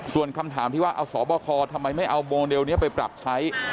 ส่วนคำถามที่ว่าเอาสบคทำไมไม่เอาโมเดลนี้ไปปรับใช้